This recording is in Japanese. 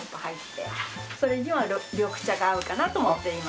それには緑茶が合うかなと思って今。